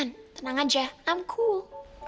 aku kok dateng udah mampus